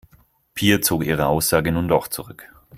Pia zog ihre Aussage nun doch zurück.